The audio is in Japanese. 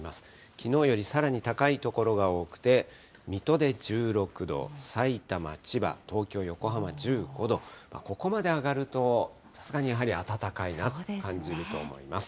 きのうよりさらに高い所が多くて、水戸で１６度、さいたま、千葉、東京、横浜１５度、ここまで上がるとさすがにやはり暖かいなと感じると思います。